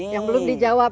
yang belum di jawab